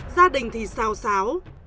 gia đình thì sao sáo